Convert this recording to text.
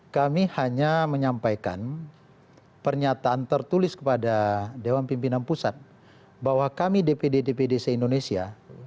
kami hanya menyampaikan pernyataan tertulis kepada dewan pimpinan pusat bahwa kami dpd dpd se indonesia